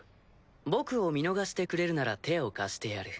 僕を見逃してくれるなら手を貸してやる。